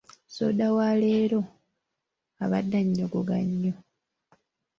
Soda wa leero abadde annyogoga nnyo.